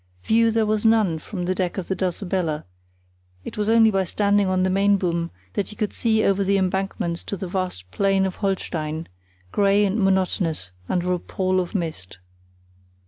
View there was none from the deck of the Dulcibella; it was only by standing on the mainboom that you could see over the embankments to the vast plain of Holstein, grey and monotonous under a pall of mist.